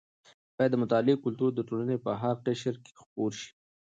باید د مطالعې کلتور د ټولنې په هره قشر کې خپور شي.